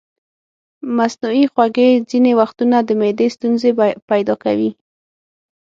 مصنوعي خوږې ځینې وختونه د معدې ستونزې پیدا کوي.